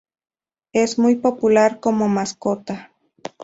Es muy popular como mascota.